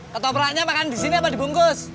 ketopraknya makan disini apa dibungkus